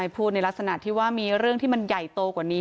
พูดในลักษณะที่ว่ามีเรื่องที่มันใหญ่โตกว่านี้